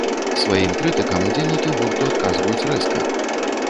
Сваім крытыкам удзельнікі гурту адказваюць рэзка.